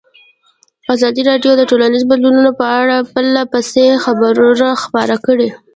ازادي راډیو د ټولنیز بدلون په اړه پرله پسې خبرونه خپاره کړي.